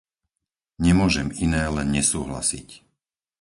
Nemôžem iné, len nesúhlasiť.